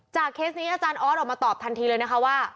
เคสนี้อาจารย์ออสออกมาตอบทันทีเลยนะคะว่า